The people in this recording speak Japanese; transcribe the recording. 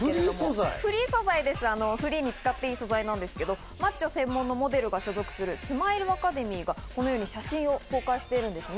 フリーに使っていい素材なんですけど、マッチョ専属モデルが所属するスマイルアカデミーが写真を公開しています。